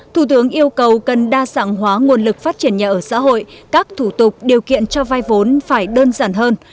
thủ tướng yêu cầu cần đa sẵn hóa nguồn lực phát triển nhà ở xã hội các thủ tục điều kiện cho vai vốn phải đơn giản hơn